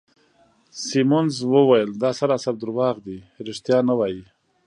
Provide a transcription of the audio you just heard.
سیمونز وویل: دا سراسر درواغ دي، ریښتیا نه وایې.